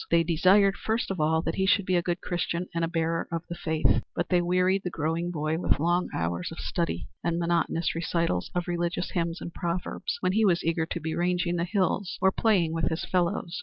They desired first of all that he should be a good Christian and a bearer of the faith but they wearied the growing boy with long hours of study and monotonous recitals of religious hymns and proverbs when he was eager to be ranging the hills or playing with his fellows.